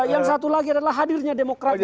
yang satu lagi adalah hadirnya demokrat di situ